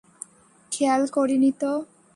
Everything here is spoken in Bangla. খেয়াল করিনি তো।